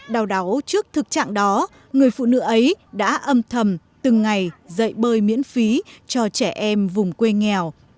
đau đáu trước thực trạng đó người phụ nữ ấy đã âm thầm từng ngày dạy bơi miễn phí cho trẻ em vùng quê nghèo